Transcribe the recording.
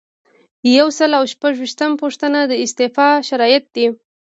یو سل او شپږ ویشتمه پوښتنه د استعفا شرایط دي.